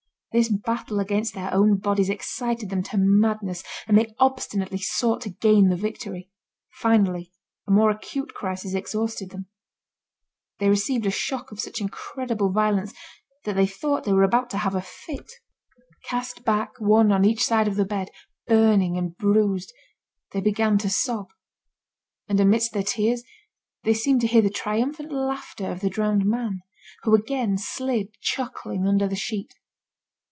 This battle against their own bodies excited them to madness, and they obstinately sought to gain the victory. Finally, a more acute crisis exhausted them. They received a shock of such incredible violence that they thought they were about to have a fit. Cast back one on each side of the bed, burning and bruised, they began to sob. And amidst their tears, they seemed to hear the triumphant laughter of the drowned man, who again slid, chuckling, under the sheet.